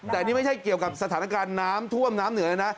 แต่นี่ไม่ใช่เกี่ยวกับสถานการณ์น้ำท่วมน้ำเหนือเลยนะ